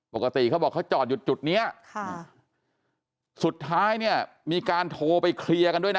ปกติเขาบอกเขาจอดอยู่จุดเนี้ยค่ะสุดท้ายเนี่ยมีการโทรไปเคลียร์กันด้วยนะ